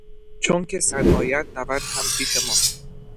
چونکه صد آید نود هم پیش ما است.